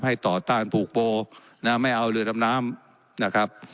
ให้ต่อต้านปลูกโปน่ะไม่เอาเรือดำน้ำน้ำนะครับ